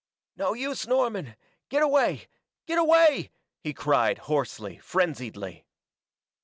"No use, Norman get away get away!" he cried hoarsely, frenziedly.